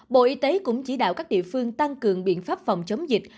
bộ y tế cũng chỉ đạo các địa phương tăng cường biện pháp phòng chống dịch